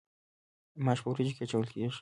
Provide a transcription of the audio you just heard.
ماش په وریجو کې اچول کیږي.